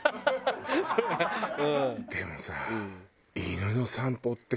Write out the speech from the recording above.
でもさ。